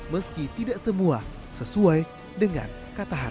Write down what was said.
meski tidak semua sesuai dengan kata hati